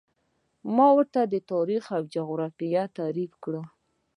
ما ورته د تاریخ او جغرافیې تعریف تکرار کړ.